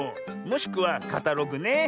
もしくは「カタログ」ね。